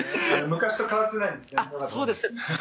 昔と変わってないんですね、そうですか。